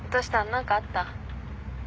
何かあった？